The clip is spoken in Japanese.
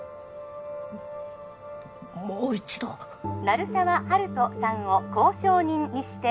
☎鳴沢温人さんを交渉人にして